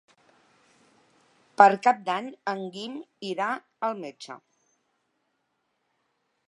Per Cap d'Any en Guim irà al metge.